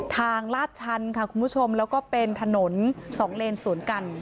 ลาดชันค่ะคุณผู้ชมแล้วก็เป็นถนนสองเลนสวนกัน